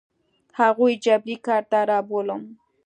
هغوی جبري کار ته رابولم.